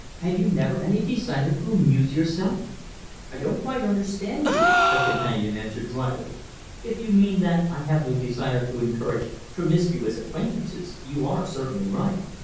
Have you never any desire to amuse yourself?" "I don't quite understand you," her companion answered dryly. "If you mean that I have no desire to encourage promiscuous acquaintances, you are certainly right.